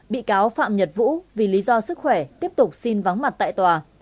bị cáo phạm nhật vũ vì lý do sức khỏe tiếp tục xin vắng mặt tại tòa